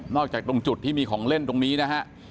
จากตรงจุดที่มีของเล่นตรงนี้นะฮะ